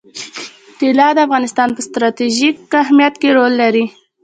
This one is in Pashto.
طلا د افغانستان په ستراتیژیک اهمیت کې رول لري.